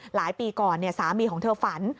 หลายปีก่อนสามีของเธอฝัน